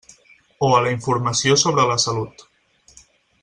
O la informació sobre la salut.